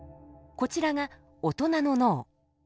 こちらが大人の脳。